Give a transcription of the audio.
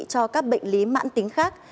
cho các bệnh lý mãn tính khác